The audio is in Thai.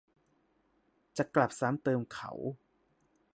จะกลับซ้ำเติมเขา